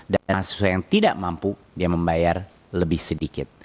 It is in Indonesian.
dan mahasiswa yang tidak mampu dia membayar lebih sedikit